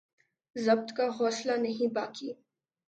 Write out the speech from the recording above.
ضبط کا حوصلہ نہیں باقی